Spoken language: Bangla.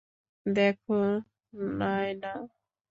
দেখো, নায়না।